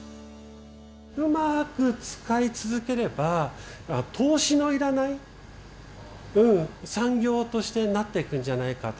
うまく使い続ければ投資の要らない産業としてなっていくんじゃないかと。